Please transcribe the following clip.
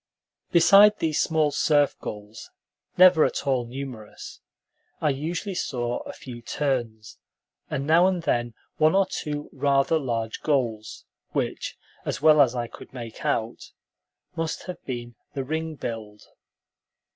Beside these small surf gulls, never at all numerous, I usually saw a few terns, and now and then one or two rather large gulls, which, as well as I could make out, must have been the ring billed.